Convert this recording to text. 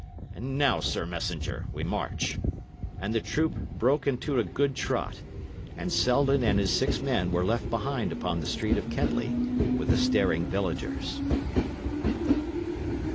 And now, sir messenger, we march." And the troop broke into a good trot, and Selden and his six men were left behind upon the street of Kettley, with the staring villagers.